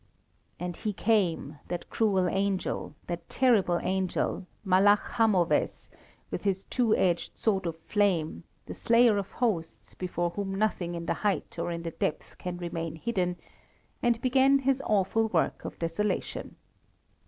And he came, that cruel angel, that terrible angel, Malach Hamovez, with his two edged sword of flame, the slayer of hosts, before whom nothing in the height or in the depth can remain hidden, and began his awful work of desolation.